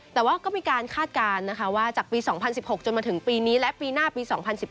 แต่ว่าก็มีการคาดการณ์นะคะว่าจากปี๒๐๑๖จนมาถึงปีนี้และปีหน้าปี๒๐๑๘